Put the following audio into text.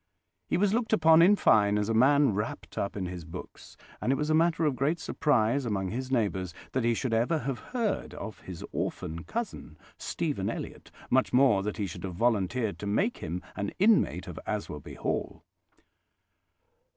He was looked upon, in fine, as a man wrapped up in his books, and it was a matter of great surprise among his neighbours that he should ever have heard of his orphan cousin, Stephen Elliott, much more that he should have volunteered to make him an inmate of Aswarby Hall.